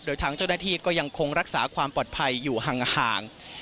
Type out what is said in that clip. โดยทางเจ้าหน้าที่ก็ยังคงรักษาความปลอดภัยอยู่ห่าง